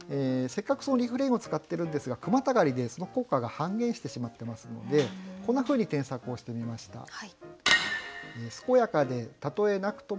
せっかくそのリフレインを使ってるんですが句またがりでその効果が半減してしまってますのでこんなふうに添削をしてみました。